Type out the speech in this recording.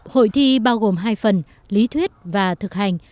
hội thi bao gồm hai phần lý thuyết và thực hành